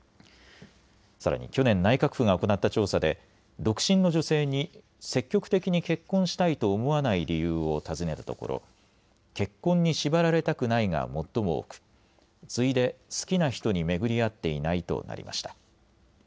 さらに去年、内閣府が行った調査で独身の女性に積極的に結婚したいと思わない理由を尋ねたところ、結婚に縛られたくないが最も多く、次いで好きな人に巡り合っていないとなりました。